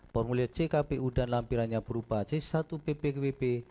formulir ckpu dan lampirannya berupa c satu ppwp